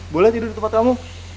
boleh tidur di tempat kamu